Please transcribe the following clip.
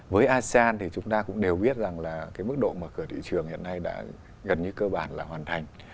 với asean thì chúng ta cũng đều biết rằng là cái mức độ mở cửa thị trường hiện nay đã gần như cơ bản là hoàn thành